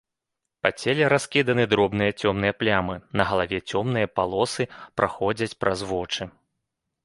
Па целе раскіданы дробныя цёмныя плямы, на галаве цёмныя палосы праходзяць праз вочы.